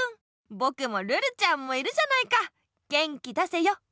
ぼくもルルちゃんもいるじゃないか元気出せよ！